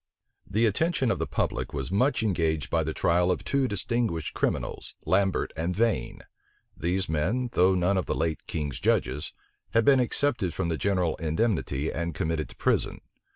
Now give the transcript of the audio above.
The attention of the public was much engaged by the trial of two distinguished criminals, Lambert and Vane. These men, though none of the late king's judges, had been excepted from the general indemnity, and committed to prison.